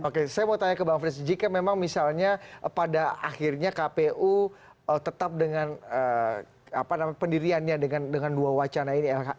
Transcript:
oke saya mau tanya ke bang frits jika memang misalnya pada akhirnya kpu tetap dengan pendiriannya dengan dua wacana ini